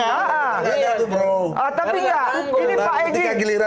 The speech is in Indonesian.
ya itu bro